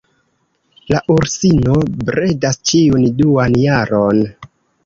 La ursino bredas ĉiun duan jaron.